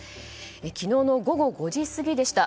昨日の午後５時過ぎでした。